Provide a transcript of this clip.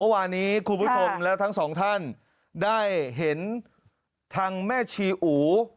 วานี้คุณผู้ชมและทั้งสองท่านได้เห็นทางแม่ชีอู